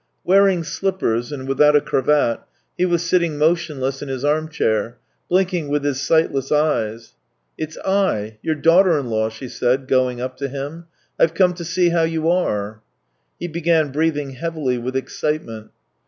Wearing slippers, and without a cravat, he was sitting motionless in his arm chair, blinking with his sightless eyes. It's I — your daughter in law," she said, going up to him. " I've come to see how you are." He began breathing heavily with excitement.